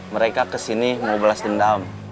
mereka kesini mau balas dendam